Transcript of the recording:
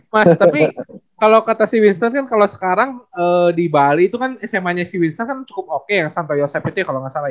mas tapi kalo kata si winston kan kalo sekarang di bali itu kan sma nya si winston kan cukup oke yang sampe yosep itu ya kalo gak salah ya